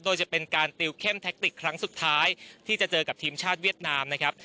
โดยจะเป็นการติวเข้มแท็กติกครั้งสุดท้ายที่จะเจอกับทีมชาติเวียดนามนะครับ